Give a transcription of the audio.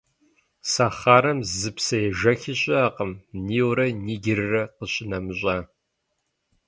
Сахарэм зы псыежэхи щыӏэкъым, Нилрэ Нигеррэ къищынэмыщӏа.